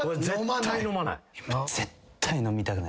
俺絶対飲まない。